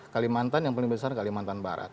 kalimantan yang paling besar kalimantan barat